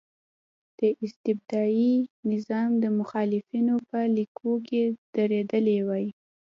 د استبدادي نظام د مخالفینو په لیکو کې درېدلی وای.